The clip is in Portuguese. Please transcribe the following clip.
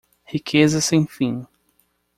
Riqueza sem fim